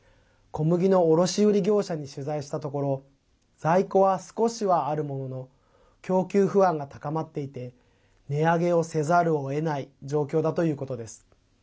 小麦の卸売業者に取材したところ在庫は少しはあるものの供給不安が高まっていて値上げをせざるをえない状況だということです。